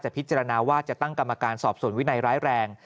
พิจารณาว่าจะตั้งกรรมการสอบส่วนวินัยร้ายแรง